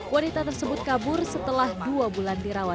wanita tersebut kabur setelah dua bulan dirawat